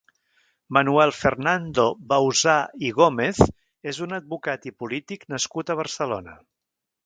Manuel Fernando Bauzà i Gómez és un advocat i polític nascut a Barcelona.